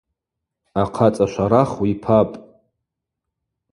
Ахъацӏа шварах уипапӏ.